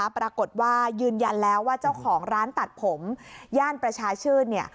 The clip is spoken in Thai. ปรากฏว่ายืนยันแล้วว่าเจ้าของร้านตัดผมย่านประชาชื่นเนี่ย